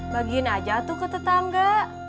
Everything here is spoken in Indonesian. bagiin aja tuh ke tetangga